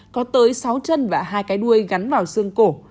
có tới sáu chân và hai cái đuôi gắn vào xương cổ